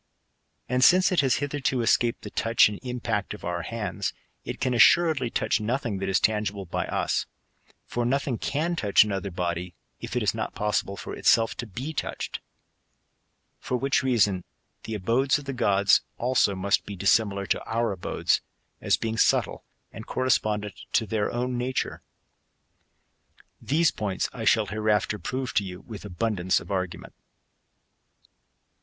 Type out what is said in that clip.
And since it has hitherto escaped the touch and impact of our hands, it can a^ssuredly touch nothing that id tangible by us ; for nothing can touch another body, if it is not possible for itself to be touched. For which reason the abodes of the gods, also, must be dissimilar to our abodes, as being subtle, and correspondent to their own nature.^ These points I shall hereafter prove to you with abundance of argument.